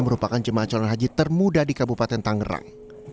merupakan jemaah calon haji termuda di kabupaten tangerang